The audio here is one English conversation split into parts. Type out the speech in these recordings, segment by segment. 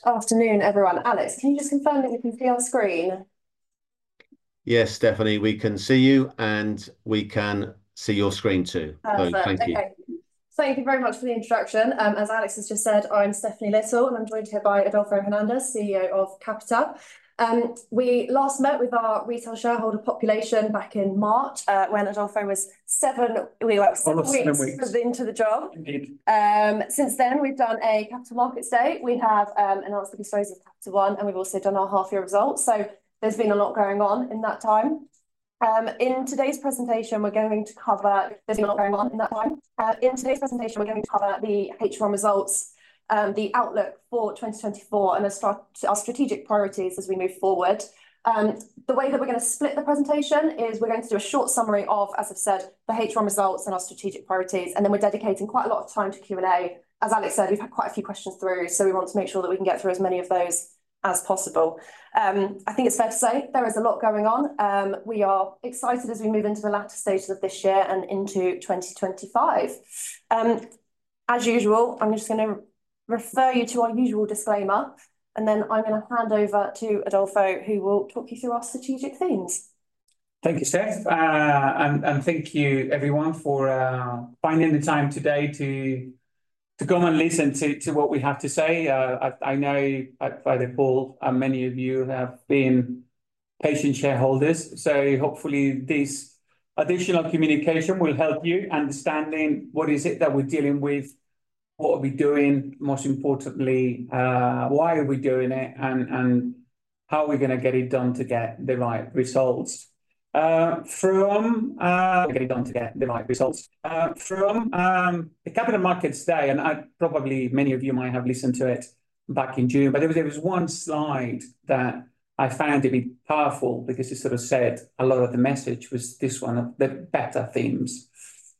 Good afternoon, everyone. Alex, can you just confirm that you can see our screen? Yes, Stephanie, we can see you, and we can see your screen, too. Perfect. Thank you. Okay. Thank you very much for the introduction. As Alex has just said, I'm Stephanie Little, and I'm joined here by Adolfo Hernandez, CEO of Capita. We last met with our retail shareholder population back in March, when we were six weeks- Almost seven weeks.... into the job. Indeed. Since then, we've done a Capital Markets Day. We have announced the disposal of Capita One, and we've also done our half-year results, so there's been a lot going on in that time. In today's presentation, we're going to cover the H1 results, the outlook for 2024, and our strategic priorities as we move forward. The way that we're gonna split the presentation is we're going to do a short summary of, as I've said, the H1 results and our strategic priorities, and then we're dedicating quite a lot of time to Q&A. As Alex said, we've had quite a few questions through, so we want to make sure that we can get through as many of those as possible. I think it's fair to say there is a lot going on. We are excited as we move into the latter stages of this year and into twenty twenty-five. As usual, I'm just gonna refer you to our usual disclaimer, and then I'm gonna hand over to Adolfo, who will talk you through our strategic themes. Thank you, Stephanie. And thank you everyone for finding the time today to come and listen to what we have to say. I know by the poll many of you have been patient shareholders, so hopefully this additional communication will help you understanding what is it that we're dealing with, what are we doing, most importantly, why are we doing it, and how are we gonna get it done to get the right results? From the Capital Markets Day, and I probably many of you might have listened to it back in June, but there was one slide that I found to be powerful because it sort of said a lot of the message was this one, the better themes.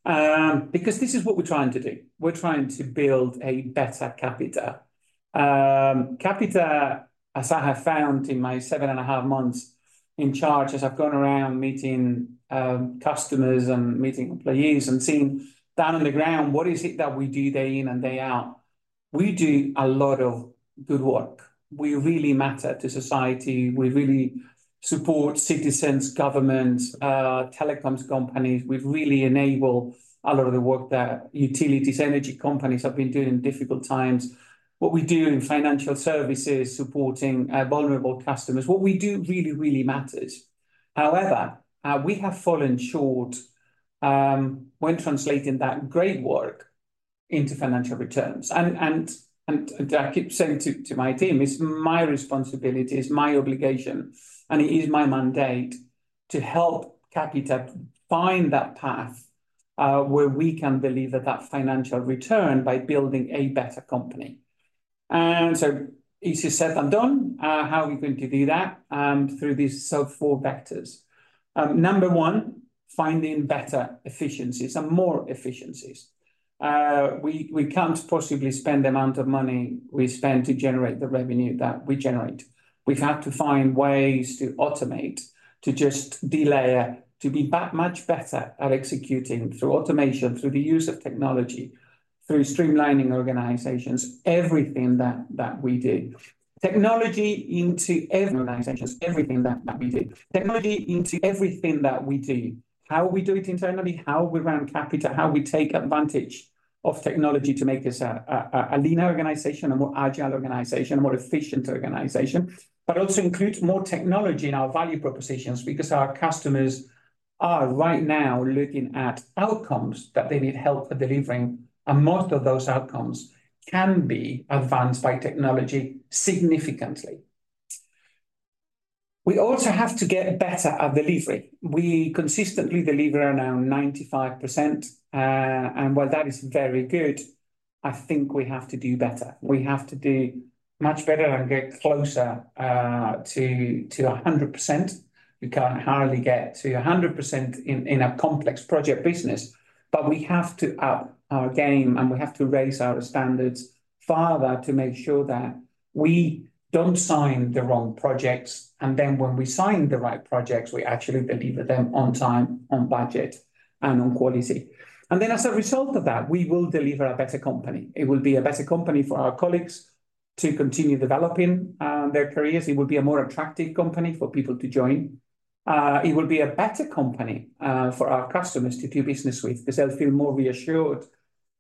Because this is what we're trying to do. We're trying to build a better Capita. Capita, as I have found in my seven and a half months in charge, as I've gone around meeting customers and meeting employees and seeing down on the ground, what is it that we do day in and day out? We do a lot of good work. We really matter to society. We really support citizens, governments, telecoms companies. We've really enabled a lot of the work that utilities, energy companies have been doing in difficult times. What we do in financial services, supporting vulnerable customers. What we do really, really matters. However, we have fallen short when translating that great work into financial returns, and I keep saying to my team, it's my responsibility, it's my obligation, and it is my mandate to help Capita find that path where we can deliver that financial return by building a better company, and so easier said than done. How are we going to do that? Through these four vectors. Number one, finding better efficiencies and more efficiencies. We can't possibly spend the amount of money we spend to generate the revenue that we generate. We've had to find ways to automate, to just delayer, to be back much better at executing through automation, through the use of technology, through streamlining organizations, everything that we do. Technology into every organizations, everything that we do. Technology into everything that we do, how we do it internally, how we run Capita, how we take advantage of technology to make this a leaner organization, a more agile organization, a more efficient organization, but also include more technology in our value propositions because our customers are right now looking at outcomes that they need help delivering, and most of those outcomes can be advanced by technology significantly. We also have to get better at delivery. We consistently deliver around 95%. And while that is very good, I think we have to do better. We have to do much better and get closer to 100%. We can't hardly get to a hundred percent in a complex project business, but we have to up our game, and we have to raise our standards farther to make sure that we don't sign the wrong projects, and then when we sign the right projects, we actually deliver them on time, on budget, and on quality. And then as a result of that, we will deliver a better company. It will be a better company for our colleagues to continue developing their careers. It will be a more attractive company for people to join. It will be a better company for our customers to do business with because they'll feel more reassured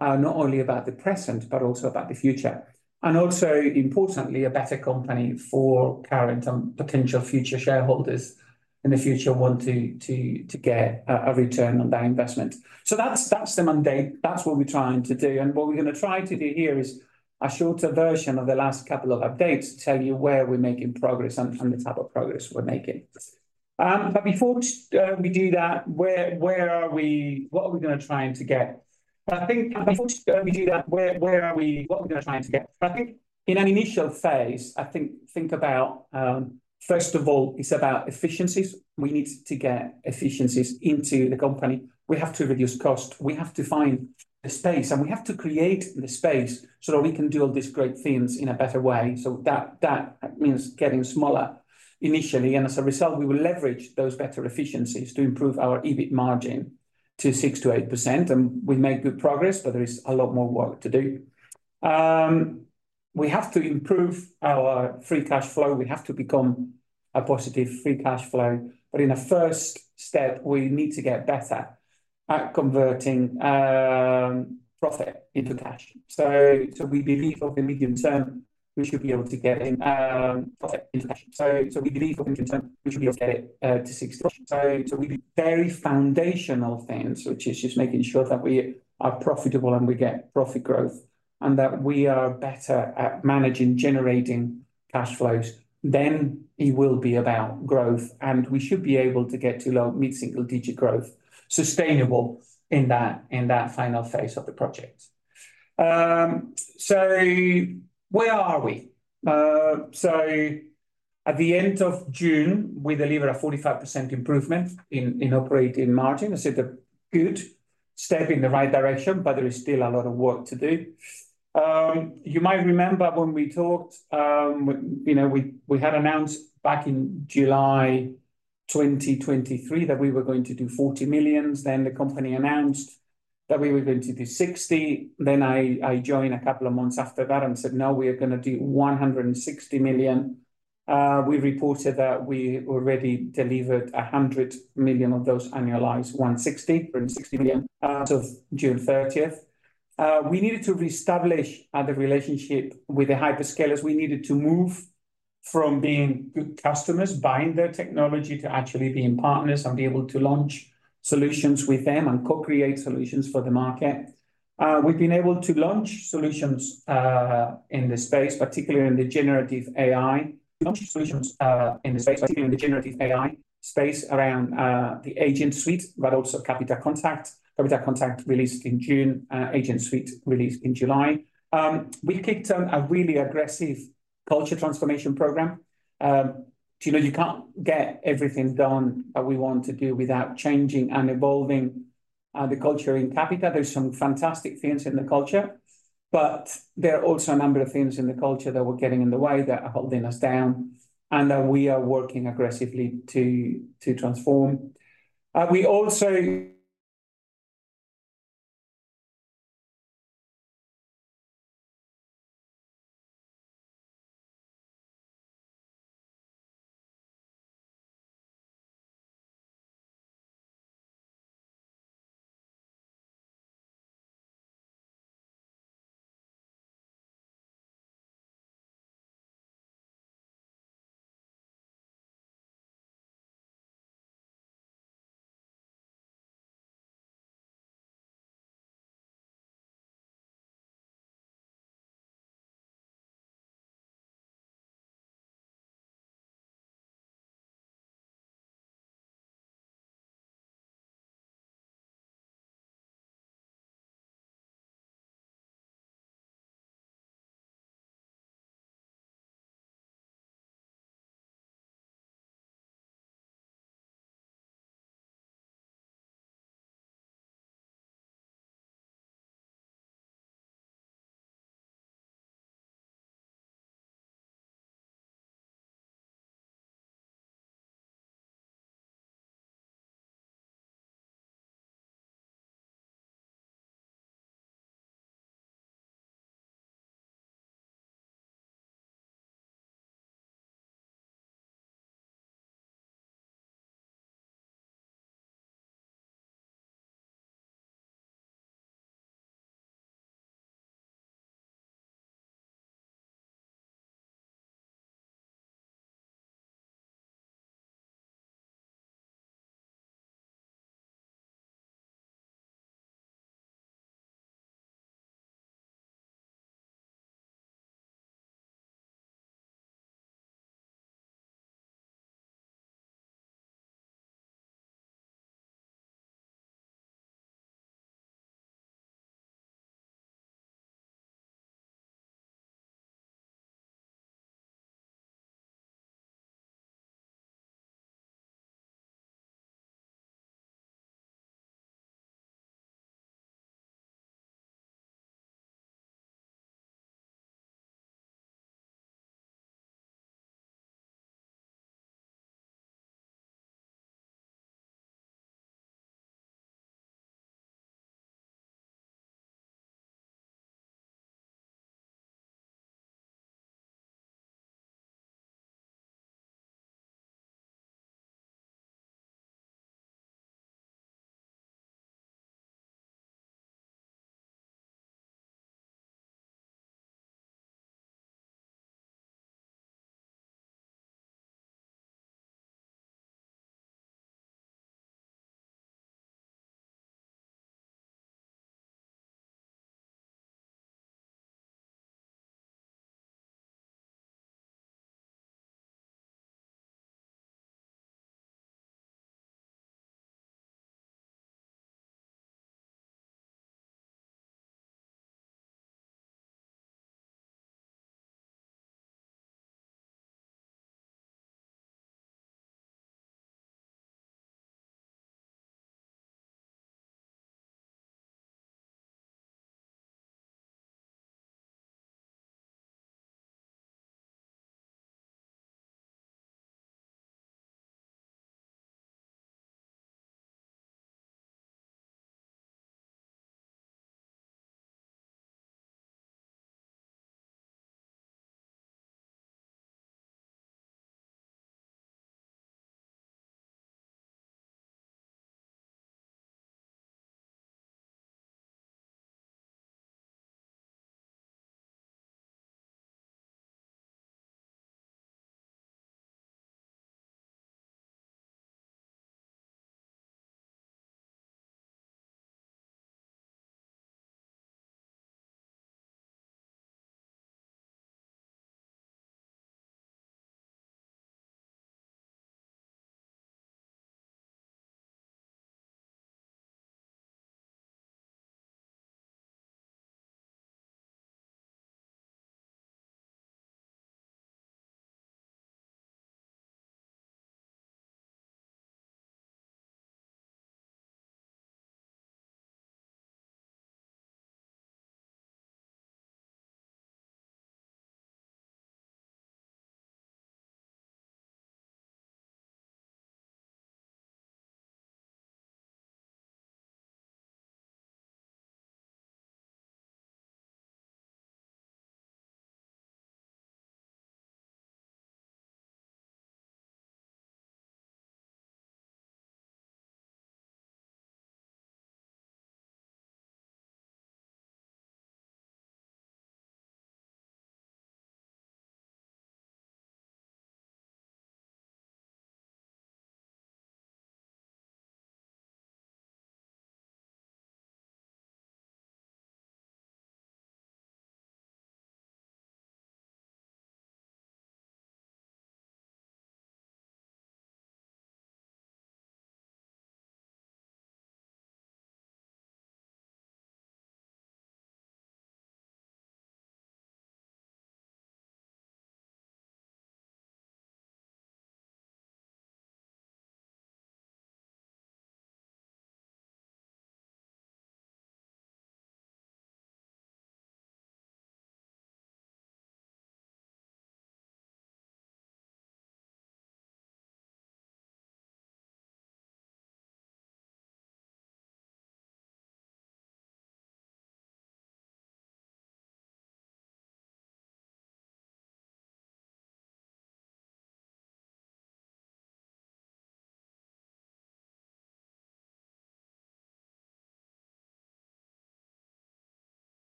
not only about the present, but also about the future, and also, importantly, a better company for current and potential future shareholders in the future who want to get a return on their investment. So that's the mandate, that's what we're trying to do, and what we're gonna try to do here is a shorter version of the last couple of updates to tell you where we're making progress and the type of progress we're making. But before we do that, where are we—what are we gonna try and get? I think in an initial phase, I think about first of all, it's about efficiencies. We need to get efficiencies into the company. We have to reduce cost, we have to find the space, and we have to create the space so that we can do all these great things in a better way. So that means getting smaller initially, and as a result, we will leverage those better efficiencies to improve our EBIT margin to 6%-8%, and we've made good progress, but there is a lot more work to do. We have to improve our free cash flow. We have to become a positive free cash flow, but in the first step, we need to get better at converting profit into cash. So we believe over the medium term, we should be able to get in profit into cash. We believe over the medium term, we should be able to get it to six. We do very foundational things, which is just making sure that we are profitable and we get profit growth, and that we are better at managing, generating cash flows. Then it will be about growth, and we should be able to get to low mid-single digit growth, sustainable in that final phase of the project. So where are we? At the end of June, we delivered a 45% improvement in operating margin. It's a good step in the right direction, but there is still a lot of work to do. You might remember when we talked. We, you know, had announced back in July 2023 that we were going to do 40 million. Then the company announced that we were going to do 60 million. Then I joined a couple of months after that and said, "No, we are gonna do 160 million." We reported that we already delivered 100 million of those annualized 160 million, 160 million as of June 30th. We needed to reestablish the relationship with the hyperscalers. We needed to move from being good customers, buying their technology, to actually being partners and be able to launch solutions with them and co-create solutions for the market. We've been able to launch solutions in this space, particularly in the generative AI. Launch solutions in the space, particularly in the Generative AI space around the Agent Suite, but also Capita Contact. Capita Contact released in June, Agent Suite released in July. We kicked off a really aggressive culture transformation program. You know, you can't get everything done that we want to do without changing and evolving the culture in Capita. There's some fantastic things in the culture, but there are also a number of things in the culture that were getting in the way, that are holding us down, and that we are working aggressively to transform. We also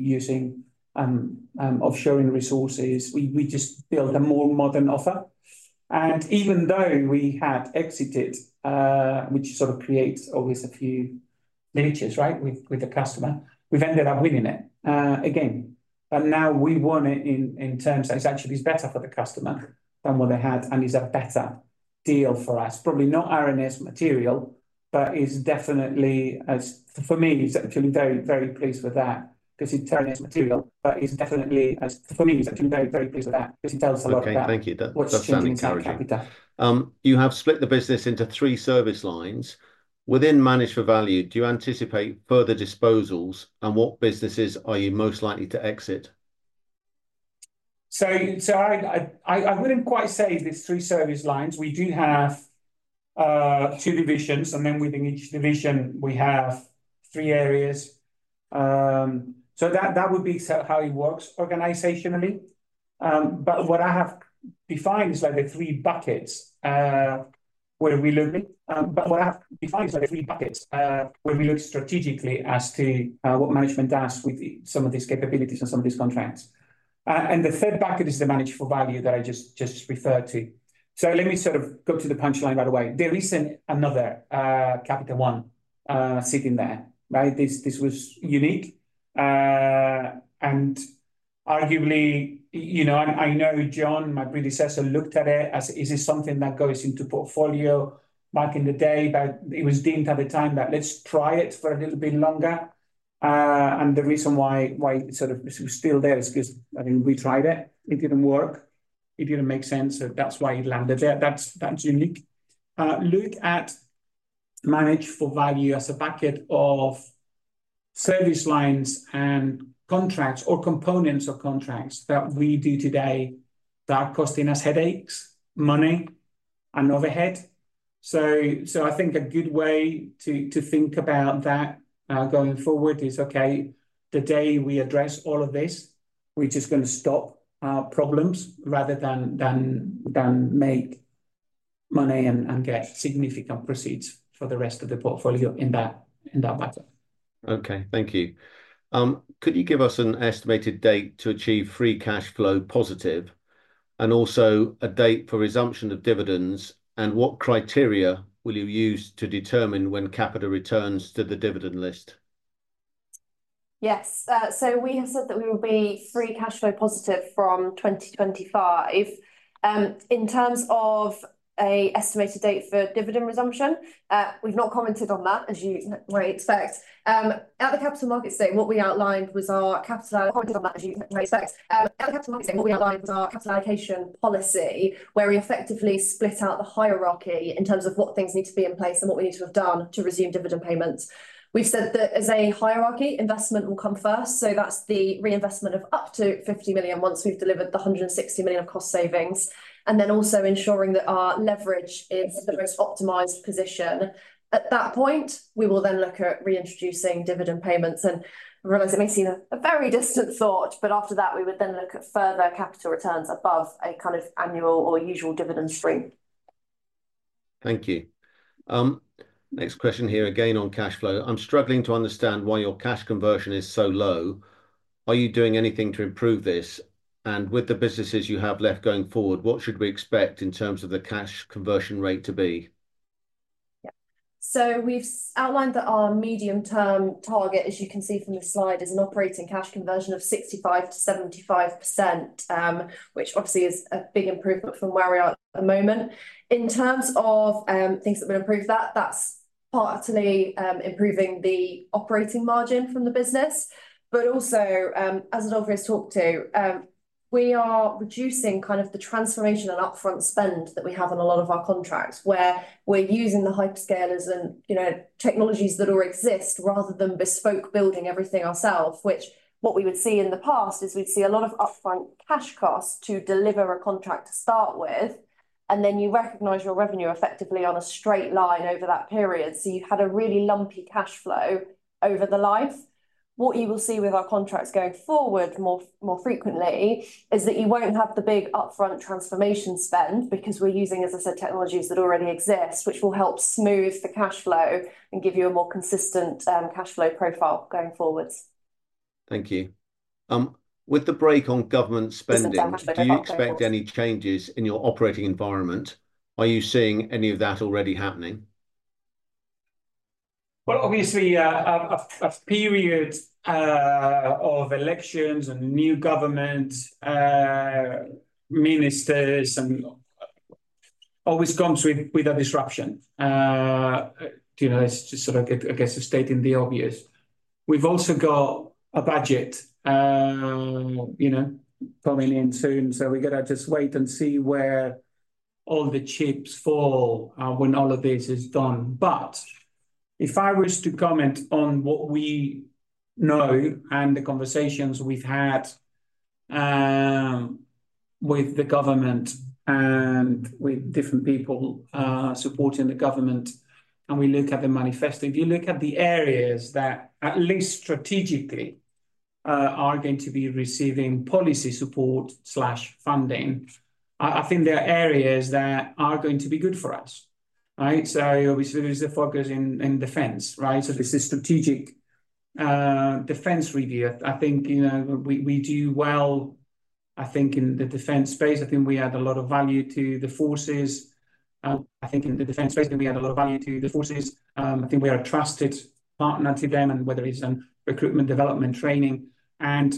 using offshoring resources. We just built a more modern offer, and even though we had exited, which sort of creates always a few niches, right, with the customer, we've ended up winning it again. Now we won it in terms that it's actually better for the customer than what they had, and it's a better deal for us. Probably not RNS material, but it's definitely, for me, actually very, very pleased with that, 'cause it tells us a lot about- Okay, thank you. What's changing in Capita? That does sound encouraging. You have split the business into three service lines. Within Manage for Value, do you anticipate further disposals, and what businesses are you most likely to exit? I wouldn't quite say there's three service lines. We do have two divisions, and then within each division we have three areas. So that would be sort of how it works organizationally. But what I have defined is, like, the three buckets where we look strategically as to what management does with some of these capabilities and some of these contracts and the third bucket is the Manage for Value that I just referred to. So let me sort of cut to the punchline right away. There isn't another Capita One sitting there, right? This was unique. Arguably, you know, and I know Jon, my predecessor, looked at it as, is this something that goes into portfolio back in the day? But it was deemed at the time that let's try it for a little bit longer. And the reason why it's sort of still there is 'cause, I mean, we tried it, it didn't work, it didn't make sense, so that's why it landed there. That's unique. Look at Manage for Value as a bucket of service lines and contracts or components of contracts that we do today that are costing us headaches, money, and overhead. So, I think a good way to think about that going forward is, okay, the day we address all of this, we're just gonna stop problems rather than make money and get significant proceeds for the rest of the portfolio in that matter. Okay, thank you. Could you give us an estimated date to achieve free cash flow positive, and also a date for resumption of dividends? And what criteria will you use to determine when Capita returns to the dividend list? Yes. So we have said that we will be free cash flow positive from twenty twenty-five. In terms of an estimated date for dividend resumption, we've not commented on that, as you might expect. At the Capital Markets Day, what we outlined was our capital allocation policy, where we effectively split out the hierarchy in terms of what things need to be in place and what we need to have done to resume dividend payments. We've said that as a hierarchy, investment will come first, so that's the reinvestment of up to 50 million once we've delivered the 160 million of cost savings, and then also ensuring that our leverage is the most optimized position. At that point, we will then look at reintroducing dividend payments. And I realize it may seem a very distant thought, but after that, we would then look at further capital returns above a kind of annual or usual dividend stream. Thank you. Next question here, again, on cash flow. I'm struggling to understand why your cash conversion is so low. Are you doing anything to improve this? And with the businesses you have left going forward, what should we expect in terms of the cash conversion rate to be? Yeah. So we've outlined that our medium-term target, as you can see from the slide, is an operating cash conversion of 65%-75%. Which obviously is a big improvement from where we are at the moment. In terms of things that will improve that, that's partly improving the operating margin from the business, but also, as Adolfo talked to, we are reducing kind of the transformation and upfront spend that we have on a lot of our contracts, where we're using the hyperscalers and, you know, technologies that already exist, rather than bespoke building everything ourselves. Which what we would see in the past is we'd see a lot of upfront cash costs to deliver a contract to start with, and then you recognize your revenue effectively on a straight line over that period. You had a really lumpy cash flow over the life. What you will see with our contracts going forward more frequently is that you won't have the big upfront transformation spend because we're using, as I said, technologies that already exist, which will help smooth the cash flow and give you a more consistent cash flow profile going forwards. Thank you. With the break on government spending- Does it have big impact for us? Do you expect any changes in your operating environment? Are you seeing any of that already happening? Obviously, a period of elections and new government ministers and... always comes with a disruption. You know, it's just sort of, I guess, stating the obvious. We've also got a budget, you know, coming in soon, so we're gonna just wait and see where all the chips fall, when all of this is done. If I was to comment on what we know and the conversations we've had with the government and with different people supporting the government, and we look at the manifesto, if you look at the areas that at least strategically are going to be receiving policy support/ funding, I think there are areas that are going to be good for us, right? Obviously, there is a focus in defence, right? This is Strategic Defence Review. I think, you know, we do well, I think, in the defence space. I think we add a lot of value to the forces. I think in the defence space, we add a lot of value to the forces. I think we are a trusted partner to them, and whether it's recruitment, development, training, and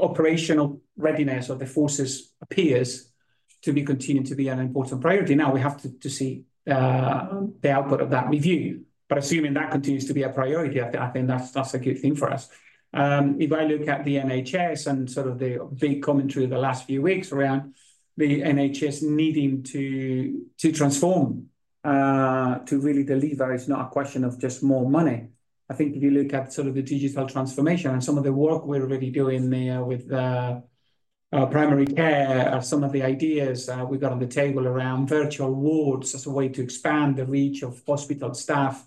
operational readiness of the forces appears to be continuing to be an important priority. Now, we have to see the output of that review. But assuming that continues to be a priority, I think that's a good thing for us. If I look at the NHS and sort of the big commentary the last few weeks around the NHS needing to transform to really deliver, it's not a question of just more money. I think if you look at sort of the digital transformation and some of the work we're already doing there with primary care, some of the ideas we've got on the table around virtual wards as a way to expand the reach of hospital staff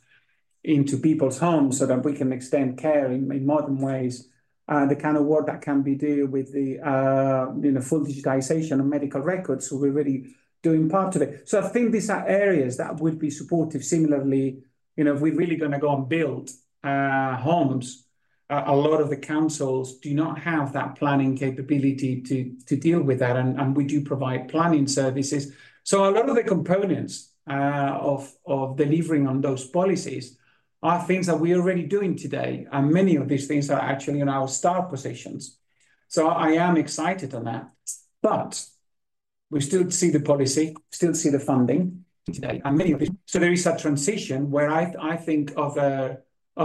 into people's homes, so that we can extend care in modern ways. The kind of work that can be done with the, you know, full digitization of medical records. So we're already doing part of it. So I think these are areas that would be supportive. Similarly, you know, if we're really gonna go and build homes, a lot of the councils do not have that planning capability to deal with that, and we do provide planning services. A lot of the components of delivering on those policies are things that we're already doing today, and many of these things are actually in our start positions. I am excited on that. But we still see the policy, still see the funding today, and many of these, so there is a transition where I think of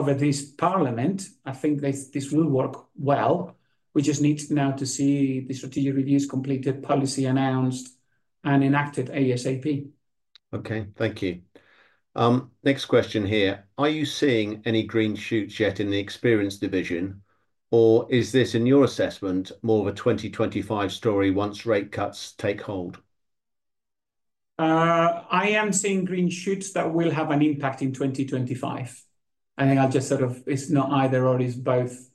this Parliament. I think this will work well. We just need now to see the strategic reviews completed, policy announced, and enacted ASAP. Okay, thank you. Next question here: Are you seeing any green shoots yet in the experience division, or is this, in your assessment, more of a 2025 story once rate cuts take hold? I am seeing green shoots that will have an impact in 2025. I think I'll just sort of say it's not either/or, it's both.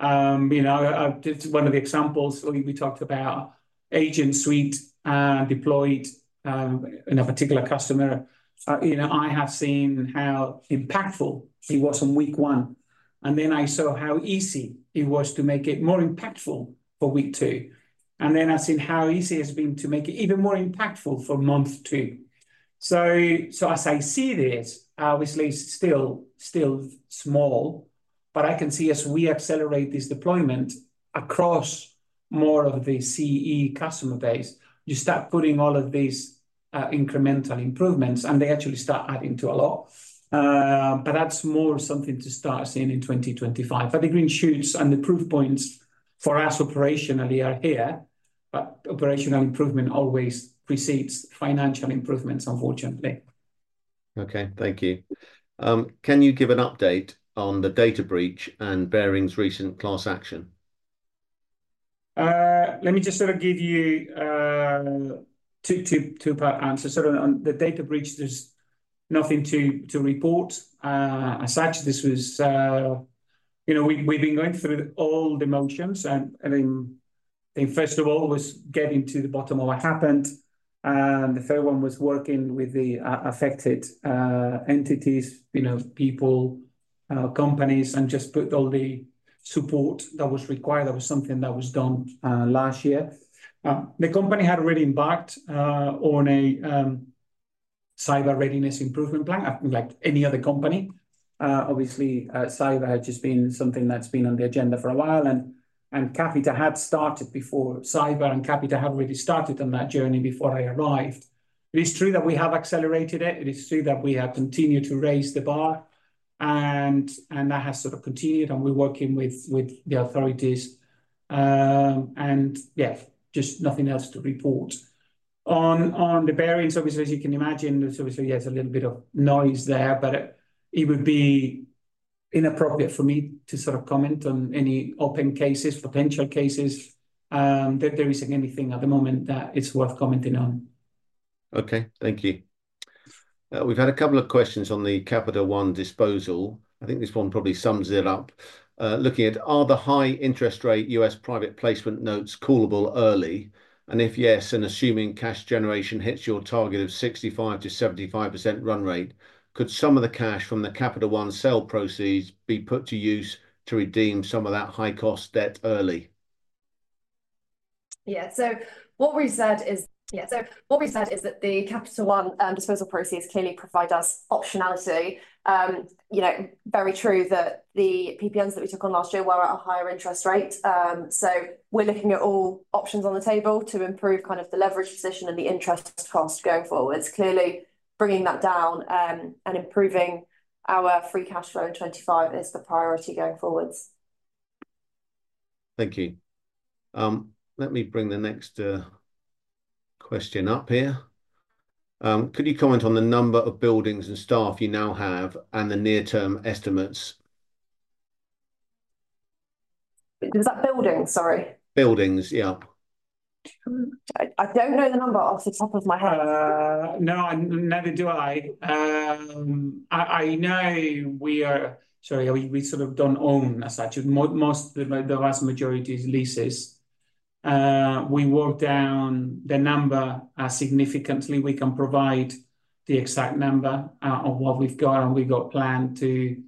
You know, just one of the examples, we talked about Agent Suite, deployed in a particular customer. You know, I have seen how impactful it was on week one, and then I saw how easy it was to make it more impactful for week two. And then I've seen how easy it's been to make it even more impactful for month two. So as I see this, obviously still small, but I can see as we accelerate this deployment across more of the CE customer base, you start putting all of these incremental improvements, and they actually start adding to a lot. But that's more something to start seeing in 2025. But the green shoots and the proof points for us operationally are here, but operational improvement always precedes financial improvements, unfortunately. Okay, thank you. Can you give an update on the data breach and Barings' recent class action? Let me just sort of give you a two-part answer. So on the data breach, there's nothing to report as such. This was. You know, we've been going through all the motions, and I mean I think first of all was getting to the bottom of what happened. And the third one was working with the affected entities, you know, people, companies, and just put all the support that was required. That was something that was done last year. The company had already embarked on a cyber readiness improvement plan, like any other company. Obviously, cyber has just been something that's been on the agenda for a while, and Capita had started before. Cyber and Capita had already started on that journey before I arrived. It is true that we have accelerated it. It is true that we have continued to raise the bar, and that has sort of continued, and we're working with the authorities, and yeah, just nothing else to report. On the Barings, so obviously, as you can imagine, so obviously there's a little bit of noise there, but it would be inappropriate for me to sort of comment on any open cases, potential cases. There isn't anything at the moment that is worth commenting on. Okay, thank you. We've had a couple of questions on the Capita One disposal. I think this one probably sums it up. Looking at, are the high interest rate U.S. private placement notes callable early? And if yes, and assuming cash generation hits your target of 65%-75% run rate, could some of the cash from the Capita One sale proceeds be put to use to redeem some of that high-cost debt early? Yeah. So what we said is that the Capita One disposal proceeds clearly provide us optionality. You know, very true that the PPNs that we took on last year were at a higher interest rate. So we're looking at all options on the table to improve kind of the leverage position and the interest cost going forward. Clearly, bringing that down and improving our free cash flow in 2025 is the priority going forwards. Thank you. Let me bring the next question up here. Could you comment on the number of buildings and staff you now have, and the near-term estimates? Was that buildings? Sorry. Buildings, yeah. I don't know the number off the top of my head. No, and neither do I. I know. Sorry, we sort of don't own as such. Most, the vast majority is leases. We worked down the number significantly. We can provide the exact number of what we've got, and we've got plan to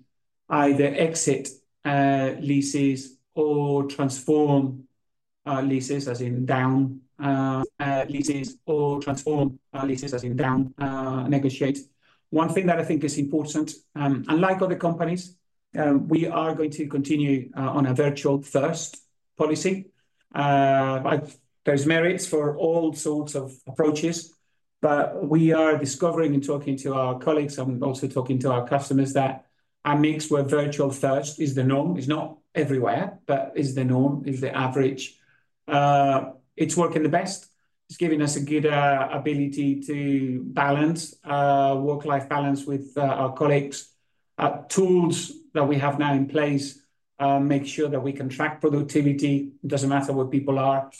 either exit leases or transform leases as in downsizing or negotiating. One thing that I think is important, unlike other companies, we are going to continue on a Virtual First policy. There's merits for all sorts of approaches, but we are discovering and talking to our colleagues and also talking to our customers that a mix where Virtual First is the norm, it's not everywhere, but is the norm, is the average. It's working the best. It's giving us a good ability to balance work-life balance with our colleagues. Tools that we have now in place make sure that we can track productivity. It doesn't matter where people are,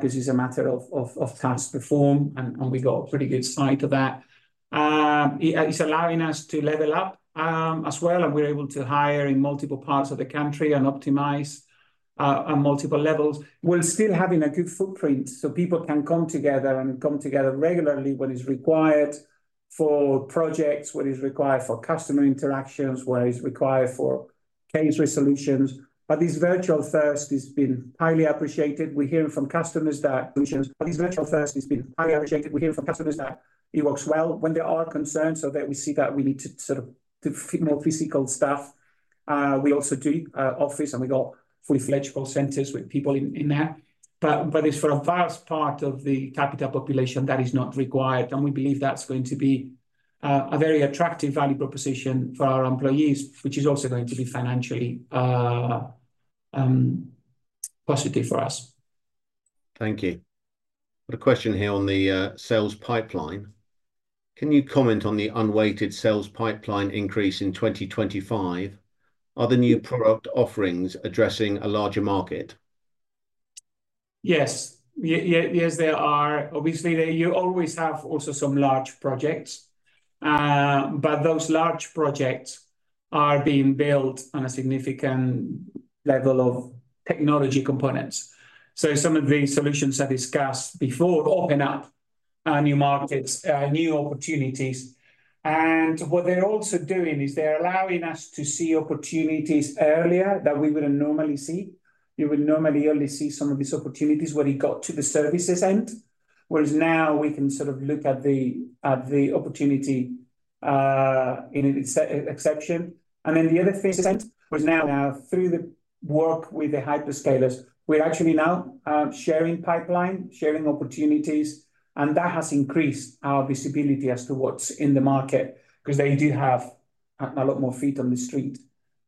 this is a matter of tasks performed, and we got a pretty good sight of that. It's allowing us to level up as well, and we're able to hire in multiple parts of the country and optimize on multiple levels, while still having a good footprint, so people can come together regularly when it's required. For projects where it's required for customer interactions, where it's required for case resolutions. But this Virtual First has been highly appreciated. We hear from customers. We hear from customers that it works well when there are concerns, so that we see that we need to sort of do more physical stuff. We also do office, and we've got fully fledged call centers with people in there. But it's for a vast part of the Capita population that is not required, and we believe that's going to be a very attractive value proposition for our employees, which is also going to be financially positive for us. Thank you. Got a question here on the sales pipeline. Can you comment on the unweighted sales pipeline increase in 2025? Are the new product offerings addressing a larger market? Yes. Yeah, yes, they are. Obviously, you always have also some large projects. But those large projects are being built on a significant level of technology components. So some of the solutions I discussed before open up new markets, new opportunities. And what they're also doing is they're allowing us to see opportunities earlier that we wouldn't normally see. You would normally only see some of these opportunities when it got to the services end. Whereas now we can sort of look at the opportunity in its inception. And then the other thing is now through the work with the hyperscalers, we're actually now sharing pipeline, sharing opportunities, and that has increased our visibility as to what's in the market, cause they do have a lot more feet on the street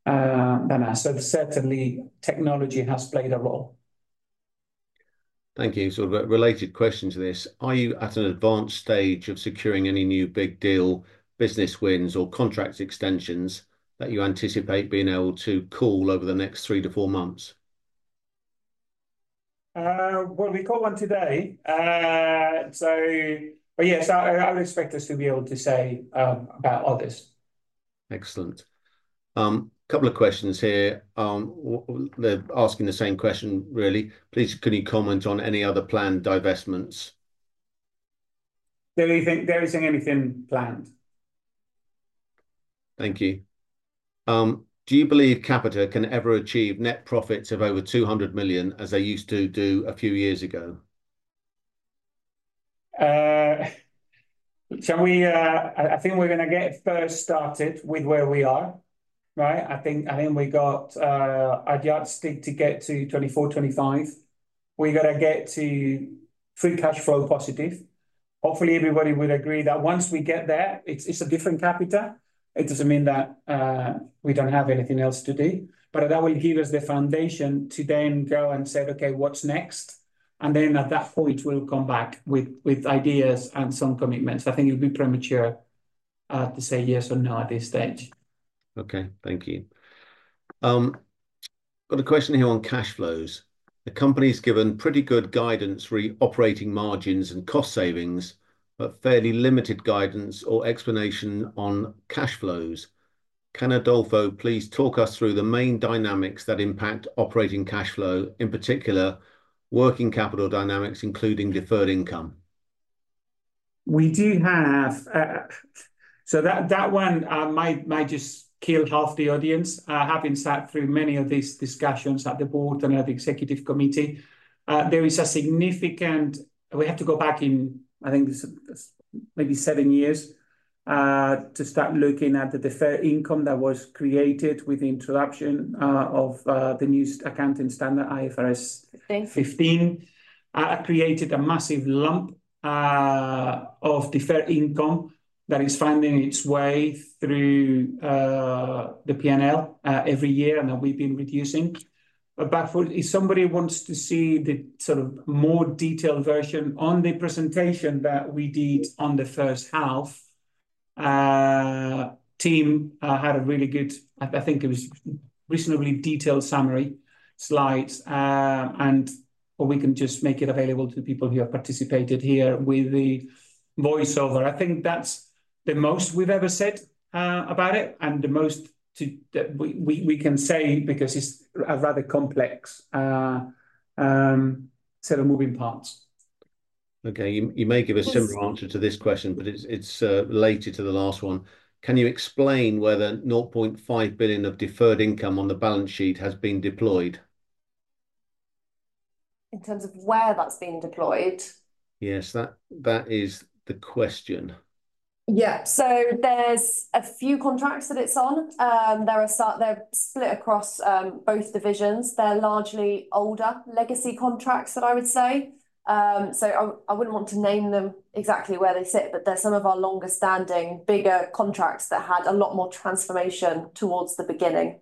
than us. So certainly, technology has played a role. Thank you. So a related question to this: Are you at an advanced stage of securing any new big deal business wins or contract extensions that you anticipate being able to call over the next three to four months? Well, we got one today. So... But yes, I would expect us to be able to say about others. Excellent. Couple of questions here. They're asking the same question, really. Please, can you comment on any other planned divestments? There isn't anything planned. Thank you. Do you believe Capita can ever achieve net profits of over 200 million, as they used to do a few years ago? Shall we get first started with where we are, right? I think we got a yardstick to get to 2024-2025. We've gotta get to free cash flow positive. Hopefully, everybody would agree that once we get there, it's a different Capita. It doesn't mean that we don't have anything else to do, but that will give us the foundation to then go and say, "Okay, what's next?" And then at that point, we'll come back with ideas and some commitments. I think it would be premature to say yes or no at this stage. Okay, thank you. Got a question here on cash flows. The company's given pretty good guidance re operating margins and cost savings, but fairly limited guidance or explanation on cash flows. Can Adolfo please talk us through the main dynamics that impact operating cash flow, in particular, working capital dynamics, including deferred income? We do have... So that one might just kill half the audience. Having sat through many of these discussions at the board and at the executive committee, there is a significant... We have to go back in, I think, maybe seven years, to start looking at the deferred income that was created with the introduction of the new accounting standard, IFRS. 15 15 it created a massive lump of deferred income that is finding its way through the P&L every year, and that we've been reducing. But if somebody wants to see the sort of more detailed version on the presentation that we did on the first half, the team had a really good, I think it was reasonably detailed summary slides. And or we can just make it available to the people who have participated here with the voiceover. I think that's the most we've ever said about it, and the most that we can say, because it's a rather complex set of moving parts. Okay. You may give a similar- What's-... answer to this question, but it's related to the last one. Can you explain whether 0.5 billion of deferred income on the balance sheet has been deployed? In terms of where that's been deployed? Yes, that is the question. Yeah. So there's a few contracts that it's on. There are they're split across both divisions. They're largely older legacy contracts that I would say. So I wouldn't want to name them exactly where they sit, but they're some of our longer-standing, bigger contracts that had a lot more transformation towards the beginning.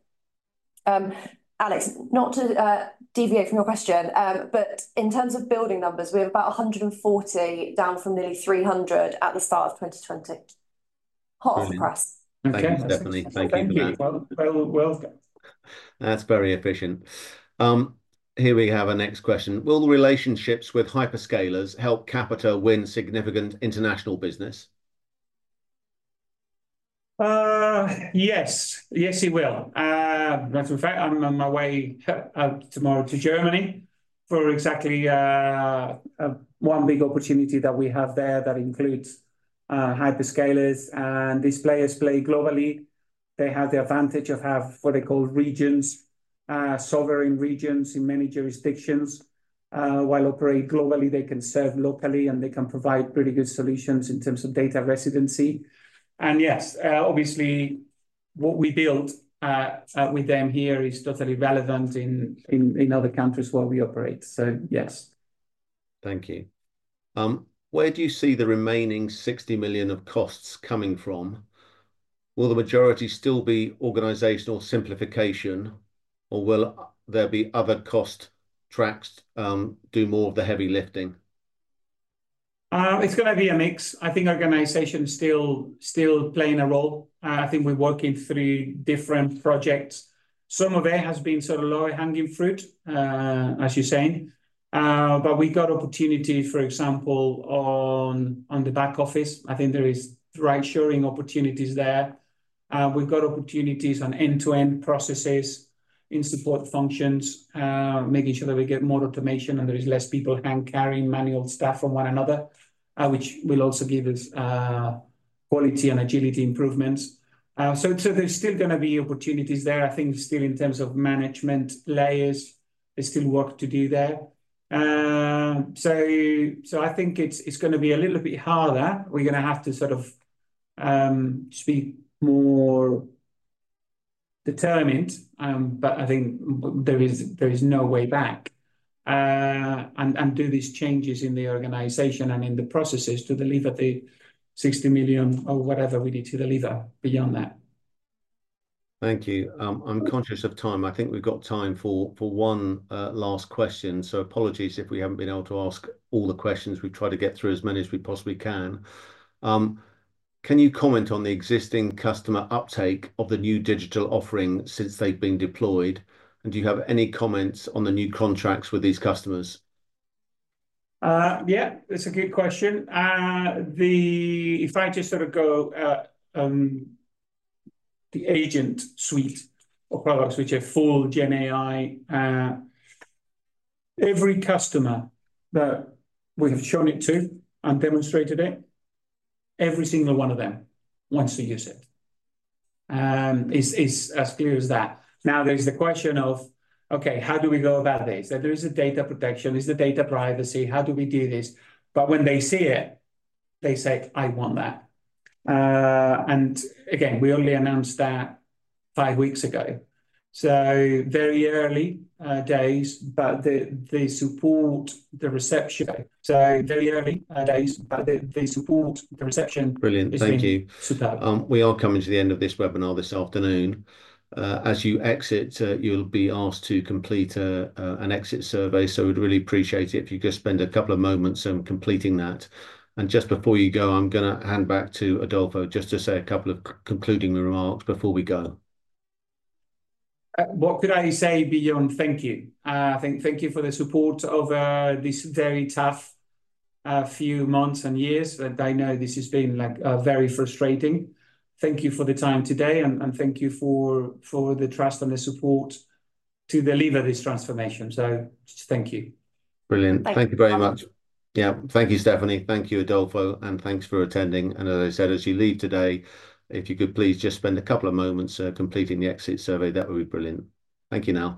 Alex, not to deviate from your question, but in terms of building numbers, we have about 140, down from nearly 300 at the start of 2020. Brilliant. Half the price. Thank you, Stephanie. Thank you. Thank you for that. Well, well, well. That's very efficient. Here we have our next question: Will the relationships with hyperscalers help Capita win significant international business? Yes. Yes, it will. Matter of fact, I'm on my way tomorrow to Germany for exactly one big opportunity that we have there that includes hyperscalers. And these players play globally. They have the advantage of have what they call regions, sovereign regions in many jurisdictions. While operate globally, they can serve locally, and they can provide pretty good solutions in terms of data residency. And yes, obviously, what we built with them here is totally relevant in other countries where we operate. So, yes. Thank you. Where do you see the remaining 60 million of costs coming from? Will the majority still be organizational simplification, or will there be other cost tracks do more of the heavy lifting? It's gonna be a mix. I think organization still playing a role. I think we're working through different projects. Some of it has been sort of low-hanging fruit, as you're saying. But we've got opportunity, for example, on the back office. I think there is right-shoring opportunities there. We've got opportunities on end-to-end processes in support functions, making sure that we get more automation, and there is less people hand-carrying manual stuff from one another, which will also give us quality and agility improvements. So, there's still gonna be opportunities there. I think still in terms of management layers, there's still work to do there. So, I think it's gonna be a little bit harder. We're gonna have to sort of just be more determined. But I think there is no way back, and do these changes in the organization and in the processes to deliver the 60 million or whatever we need to deliver beyond that. Thank you. I'm conscious of time. I think we've got time for one last question. So apologies if we haven't been able to ask all the questions. We've tried to get through as many as we possibly can. Can you comment on the existing customer uptake of the new digital offering since they've been deployed, and do you have any comments on the new contracts with these customers? Yeah, that's a good question. If I just sort of go at the Agent Suite of products, which are full GenAI, every customer that we have shown it to and demonstrated it, every single one of them wants to use it. It's as clear as that. Now, there's the question of, okay, how do we go about this? There is a data protection. There's the data privacy. How do we do this? But when they see it, they say, "I want that." And again, we only announced that five weeks ago, so very early days, but the support, the reception. Brilliant. Thank you. Superb. We are coming to the end of this webinar this afternoon. As you exit, you'll be asked to complete an exit survey, so we'd really appreciate it if you could spend a couple of moments completing that. And just before you go, I'm gonna hand back to Adolfo just to say a couple of concluding remarks before we go. What could I say beyond thank you? Thank you for the support over this very tough few months and years, that I know this has been, like, very frustrating. Thank you for the time today, and thank you for the trust and the support to deliver this transformation. So just thank you. Brilliant. Thank you. Thank you very much. Yeah. Thank you, Stephanie. Thank you, Adolfo, and thanks for attending, and as I said, as you leave today, if you could please just spend a couple of moments completing the exit survey, that would be brilliant. Thank you now.